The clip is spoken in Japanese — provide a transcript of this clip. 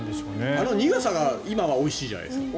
あの苦さが今はおいしいじゃないですか。